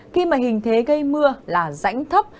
khi mà hình thế gây mưa là rãnh thấp